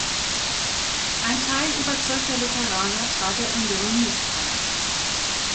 Ein Teil überzeugter Lutheraner trat der Union nicht bei.